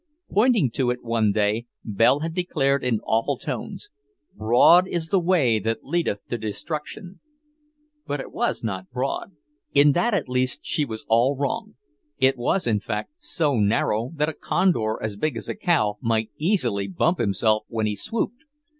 Pointing to it one day, Belle had declared in awful tones, "Broad is the way that leadeth to destruction." But it was not broad. In that at least she was all wrong. It was in fact so narrow that a Condor as big as a cow might easily bump himself when he "swooped."